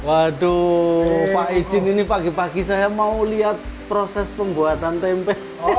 waduh pak izin ini pagi pagi saya mau lihat proses pembuatan tempe